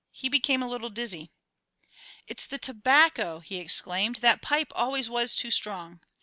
He became a little dizzy. "It's the tobacco," he exclaimed. "That pipe always was too strong."